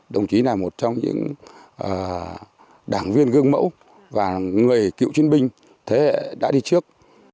đồng chí là một trong những đảng viên gương mẫu và người cựu chiến binh thế hệ đã đi trước